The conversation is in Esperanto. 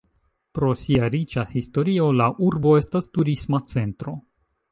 Pro sia riĉa historio, la Urbo estas turisma centro.